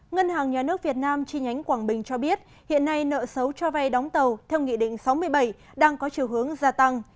ngân hàng nhà nước việt nam chi nhánh quảng bình cho biết hiện nay nợ xấu cho vay đóng tàu theo nghị định sáu mươi bảy đang có chiều hướng gia tăng